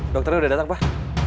dokternya udah datang pak